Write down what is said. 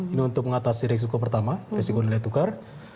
ini untuk mengatasi risiko pertama risiko nilai tukar